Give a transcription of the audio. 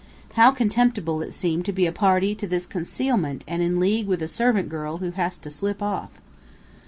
How contemptible it seemed to be a party to this concealment and in league with a servant girl who has to "slip off!"